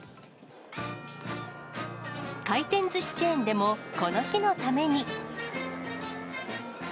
回転ずしチェーンでも、この日のために。